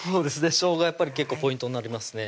しょうがやっぱり結構ポイントになりますね